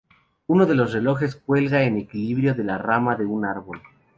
Uno de los relojes cuelga en equilibrio de la rama de un árbol.